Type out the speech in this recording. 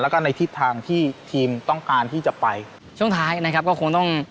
แล้วก็ในทิศทางที่ทีมต้องการที่จะไปช่วงท้ายนะครับก็คงต้อง